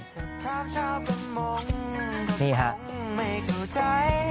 นี่ฮะ